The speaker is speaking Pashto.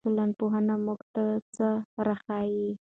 ټولنپوهنه موږ ته څه راښيي؟